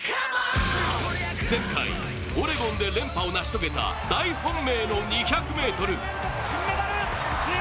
前回、オレゴンで連覇を成し遂げた大本命の２００ｍ。